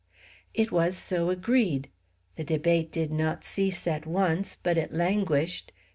It was so agreed. The debate did not cease at once, but it languished.